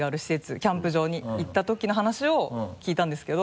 キャンプ場に行ったときの話を聞いたんですけど。